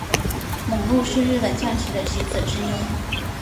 猛鹿是日本将棋的棋子之一。